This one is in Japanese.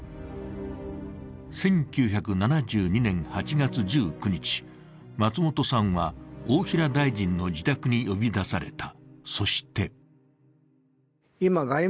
１９７２年８月１９日、松本さんは大平大臣の自宅に呼び出された。